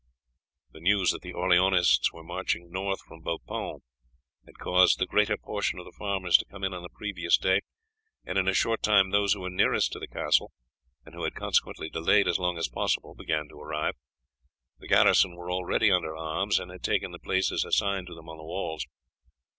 The news that the Orleanists were marching north from Bapaume had caused the greater portion of the farmers to come in on the previous day, and in a short time those who were nearest to the castle, and who had consequently delayed as long as possible, began to arrive. The garrison were already under arms, and had taken the places assigned to them on the walls.